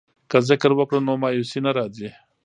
که ذکر وکړو نو مایوسي نه راځي.